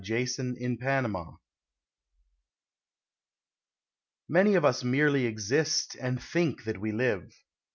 A SONG OF LIFE Many of us merely exist, and think that we live.